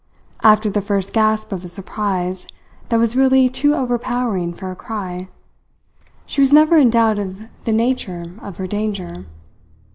After the first gasp of a surprise that was really too over powering for a cry, she was never in doubt of the nature of her danger.